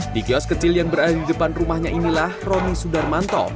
di kios kecil yang berada di depan rumahnya inilah romi sudarmanto